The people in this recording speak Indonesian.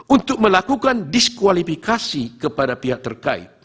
untuk melakukan diskualifikasi kepada pihak terkait